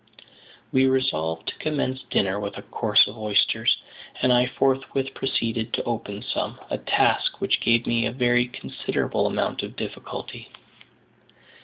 We resolved to commence dinner with a course of oysters, and I forthwith proceeded to open some, a task which gave me a very considerable amount of difficulty.